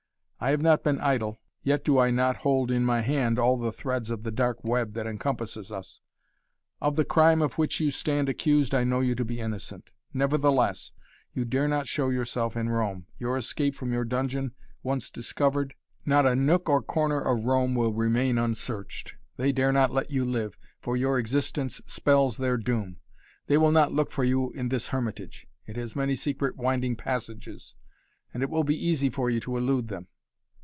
I have not been idle, yet do I not hold in my hand all the threads of the dark web that encompasses us. Of the crime of which you stand accused I know you to be innocent. Nevertheless you dare not show yourself in Rome. Your escape from your dungeon once discovered, not a nook or corner of Rome will remain unsearched. They dare not let you live, for your existence spells their doom. They will not look for you in this hermitage. It has many secret winding passages, and it will be easy for you to elude them.